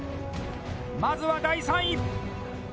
まずは、第３位！